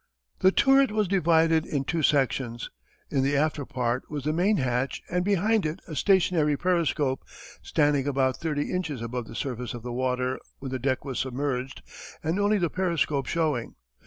The turret was divided in two sections. In the after part was the main hatch and behind it a stationary periscope, standing about thirty inches above the surface of the water when the deck was submerged and only the periscope showing.